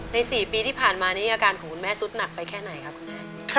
๔ปีที่ผ่านมานี้อาการของคุณแม่สุดหนักไปแค่ไหนครับคุณแม่